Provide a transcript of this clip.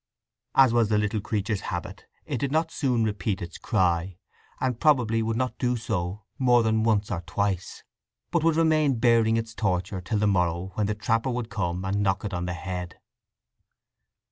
As was the little creature's habit, it did not soon repeat its cry; and probably would not do so more than once or twice; but would remain bearing its torture till the morrow when the trapper would come and knock it on the head.